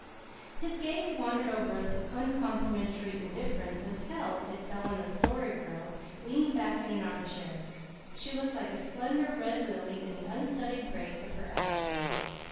His gaze wandered over us with uncomplimentary indifference until it fell on the Story Girl, leaning back in an arm chair. She looked like a slender red lily in the unstudied grace of her attitude.